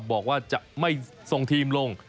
บอกว่าจะไม่ส่งทีมลง